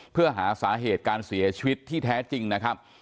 เพื่อหาสาเหตุการเสียชีวิตที่แท้จริงนะครับ